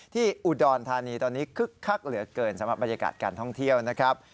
ที่อุดรธานีตอนนี้คึกคักเหลือเกินสำหรับบรรยากาศการท่องเที่ยวนะครับ